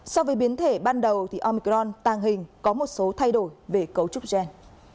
so với biến thể ban đầu thì omicron tàng hình có một số thay đổi về cấu trúc gen